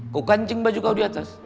kok kancing baju kau diatas